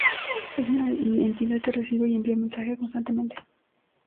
Es una entidad que recibe y envía mensaje constantemente.